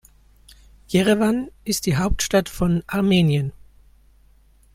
Jerewan ist die Hauptstadt von Armenien.